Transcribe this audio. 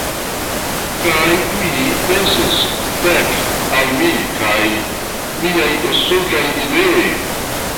Kaj mi pensis: "Fek al mi kaj miaj stultaj ideoj!"